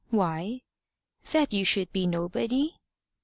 "Why?" "That you should be nobody."